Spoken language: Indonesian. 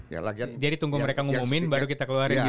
jadi tunggu mereka ngumumin baru kita keluarin gitu